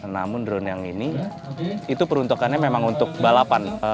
namun drone yang ini itu peruntukannya memang untuk balapan